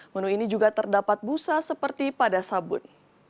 menu ini juga terdapat busa seperti pada sabun